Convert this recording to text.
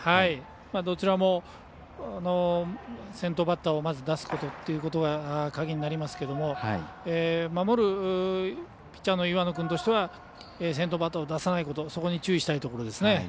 どちらも先頭バッターをまず出すことが鍵になりますけども守るピッチャーの岩野君としては先頭バッターを出さないことそこに注意したいところですね。